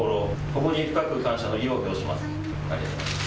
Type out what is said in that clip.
ここに深く感謝の意を表します。